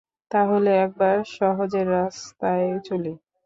তা হলে একবার সহজের রাস্তায় চলি।